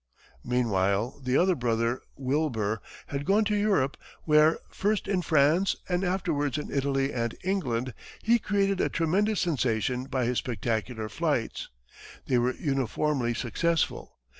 Meanwhile, the other brother, Wilbur, had gone to Europe, where, first in France, and afterwards in Italy and England, he created a tremendous sensation by his spectacular flights. They were uniformly successful.